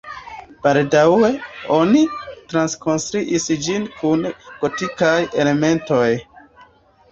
Baldaŭe oni trakonstruis ĝin kun gotikaj elementoj.